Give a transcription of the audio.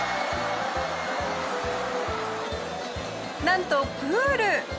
なんとプール！